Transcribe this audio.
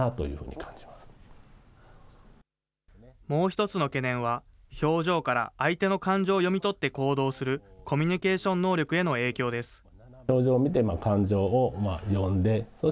もう一つの懸念は、表情から相手の感情を読み取って行動する、コミュニケーション能力への影響です。